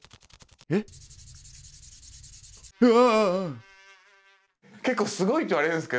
えっ？うわ！